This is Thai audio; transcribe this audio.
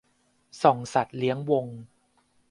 ส่องสัตว์เลี้ยงวง